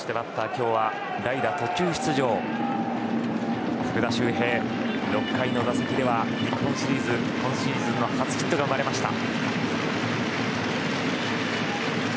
今日は代打途中出場福田周平、６回の打席では日本シリーズ今シーズンの初ヒットが生まれました。